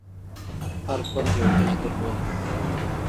هر کونج يو برج درلود.